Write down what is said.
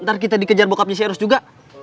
ntar kita dikejar bokapnya si eros juga